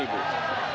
jam sembilan malam